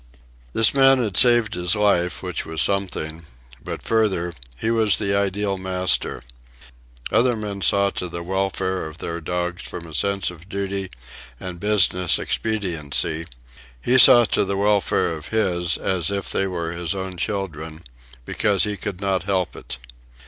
This man had saved his life, which was something; but, further, he was the ideal master. Other men saw to the welfare of their dogs from a sense of duty and business expediency; he saw to the welfare of his as if they were his own children, because he could not help it.